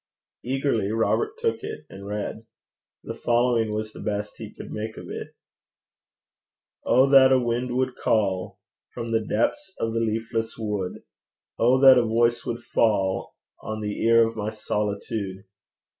Eagerly Robert took it, and read. The following was the best he could make of it: Oh that a wind would call From the depths of the leafless wood! Oh that a voice would fall On the ear of my solitude!